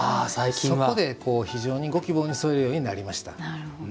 そこで非常にご希望に沿えるようになりました。